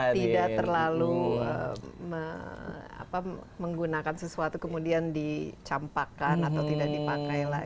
tidak terlalu menggunakan sesuatu kemudian dicampakkan atau tidak dipakai lagi